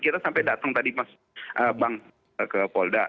kita sampai datang tadi bang ke polda